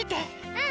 うん！